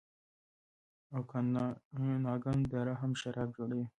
اوکاناګن دره هم شراب جوړوي.